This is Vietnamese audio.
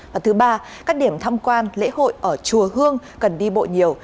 và thứ ba các điểm thăm quan lễ hội ở chùa hương cần đi bộ nhiều